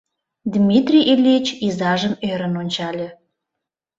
Дмитрий Ильич изажым ӧрын ончале.